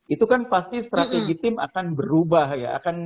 itu kan pasti strategi tim akan berubah ya